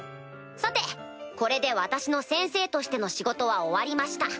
さてこれで私の先生としての仕事は終わりました。